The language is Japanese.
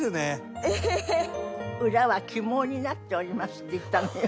「裏は起毛になっております」って言ったのよ。